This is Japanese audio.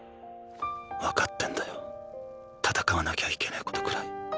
分かってんだよ戦わなきゃいけねえことくらい。